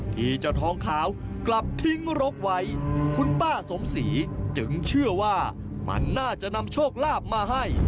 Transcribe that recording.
ที่เจ้าทองขาวกลับทิ้งรกไว้คุณป้าสมศรีจึงเชื่อว่ามันน่าจะนำโชคลาภมาให้